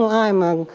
không ai mà